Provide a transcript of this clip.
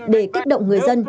để kích động người dân